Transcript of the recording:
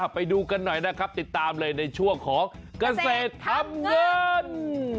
ไปดูกันหน่อยนะครับติดตามเลยในช่วงของเกษตรทำเงิน